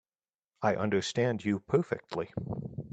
I understand you perfectly.